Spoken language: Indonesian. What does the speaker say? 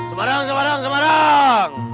semarang semarang semarang